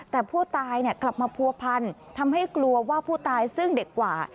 แต่ผู้ตายกลับมาผัวพันทำให้กลัวว่าผู้ตายซึ่งเด็กกว่า